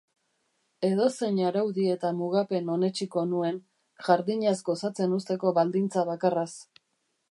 Edozein araudi eta mugapen onetsiko nuen, jardinaz gozatzen uzteko baldintza bakarraz.